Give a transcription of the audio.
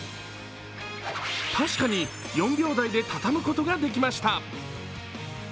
確かに、４秒台で畳むことができました。